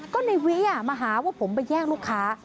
ก็ในวิมาหาว่าผมไปแย่งลูกค้า